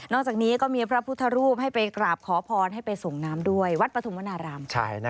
จากนี้ก็มีพระพุทธรูปให้ไปกราบขอพรให้ไปส่งน้ำด้วยวัดปฐุมวนาราม